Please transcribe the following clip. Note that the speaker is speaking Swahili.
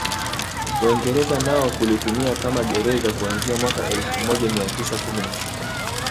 Waingereza nao kulitumia kama gereza kuanzia mwaka elfu moja mia tisa kumi na sita